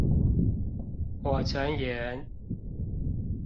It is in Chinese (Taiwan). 火成岩